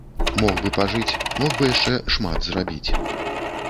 Мог бы пажыць, мог бы яшчэ шмат зрабіць.